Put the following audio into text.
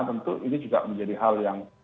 tentu ini juga menjadi hal yang